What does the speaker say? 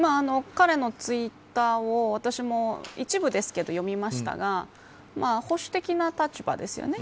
彼のツイッターを私も一部ですけど読みましたが保守的な立場ですよね。